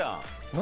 何？